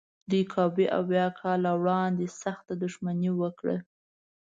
دوی کابو اویا کاله وړاندې سخته دښمني وکړه.